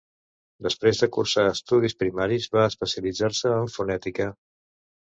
Després de cursar estudis primaris, va especialitzar-se en fonètica.